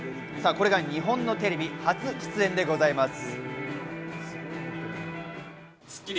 これが日本のテレビ初出演でございます。